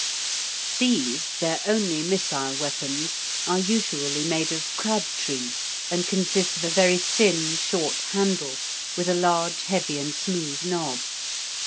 These, their only missile weapons, are usually made of crab tree, and consist of a very thin short handle, with a large, heavy, and smooth knob.